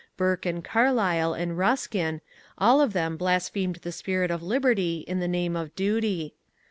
Burke and Carlyle and Ruskin all of them blasphemed the spirit of liberty in the name of duty.